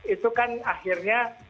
itu kan akhirnya